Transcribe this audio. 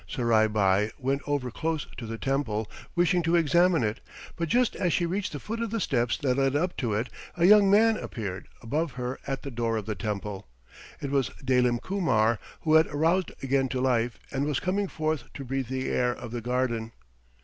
Surai Bai went over close to the temple, wishing to examine it, but just as she reached the foot of the steps that led up to it a young man appeared above her at the door of the temple. It was Dalim Kumar, who had aroused again to life and was coming forth to breathe the air of the garden.